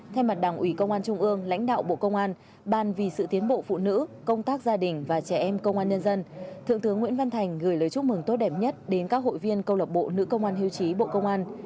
thay mặt đảng ủy công an trung ương lãnh đạo bộ công an ban vì sự tiến bộ phụ nữ công tác gia đình và trẻ em công an nhân dân thượng tướng nguyễn văn thành gửi lời chúc mừng tốt đẹp nhất đến các hội viên câu lạc bộ nữ công an hiêu chí bộ công an